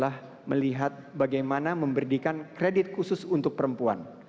kami juga melihat bagaimana memberikan kredit khusus untuk perempuan